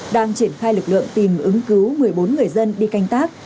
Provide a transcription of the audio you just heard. đang triển khai lực lượng tìm ứng cứu một mươi bốn người dân đi canh tác